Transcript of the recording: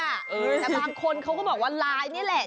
แต่บางคนเขาก็บอกว่าไลน์นี่แหละ